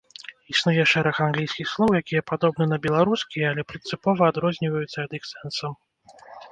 Існуе шэраг англійскіх слоў, якія падобны на беларускія, але прынцыпова адрозніваюцца ад іх сэнсам.